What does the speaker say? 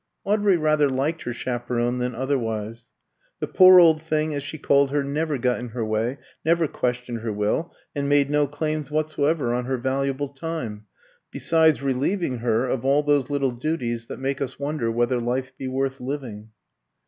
Audrey rather liked her chaperon than otherwise. The "poor old thing," as she called her, never got in her way, never questioned her will, and made no claims whatsoever on her valuable time; besides relieving her of all those little duties that make us wonder whether life be worth living.